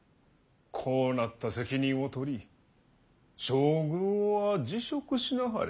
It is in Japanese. こうなった責任を取り将軍は辞職しなはれ。